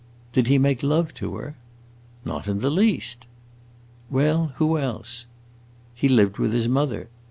"Did he make love to her?" "Not in the least." "Well, who else?" "He lived with his mother.